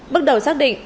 bước đầu xác định